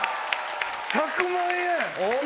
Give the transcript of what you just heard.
１００万円！